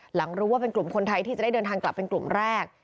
หลังรู้ว่าเป็นกลุ่มคนไทยที่จะได้เดินทางกลับเป็นกลุ่มแรก